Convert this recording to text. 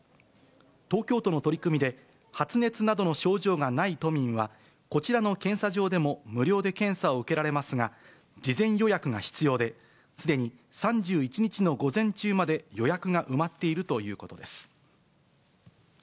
東京都の取り組みで、発熱などの症状がない都民は、こちらの検査場でも無料で検査を受けられますが、事前予約が必要で、すでに３１日の午前中まで予約が埋まっているということです。